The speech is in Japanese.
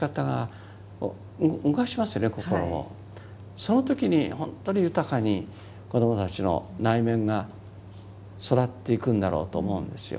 その時に本当に豊かに子どもたちの内面が育っていくんだろうと思うんですよ。